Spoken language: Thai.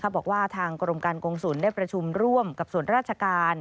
บอกว่าทางกรมการกงศูนย์ได้ประชุมร่วมกับส่วนราชการ